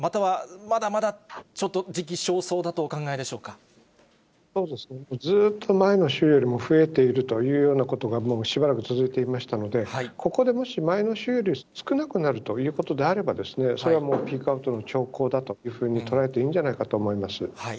または、まだまだちょっと、ずっと前の週よりも増えているというようなことが、もうしばらく続いていましたので、ここでもし、前の週より少なくなるということであれば、それはもうピークアウトの兆候だというふうに捉えていいんじゃないかと思います。